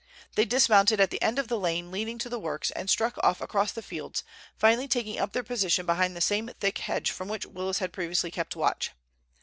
They dismounted at the end of the lane leading to the works, and struck off across the fields, finally taking up their position behind the same thick hedge from which Willis had previously kept watch.